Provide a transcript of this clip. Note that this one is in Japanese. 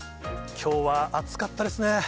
きょうは暑かったですね。